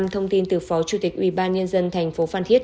thông tin từ phó chủ tịch ubnd tp phan thiết